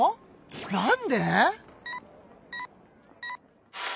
なんで？